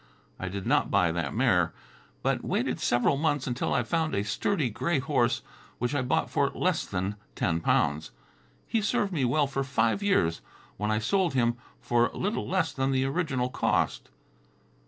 I did not buy that mare, but waited several months until I found a sturdy gray horse, which I bought for less than ten pounds. He served me well for five years, when I sold him for little less than the original cost.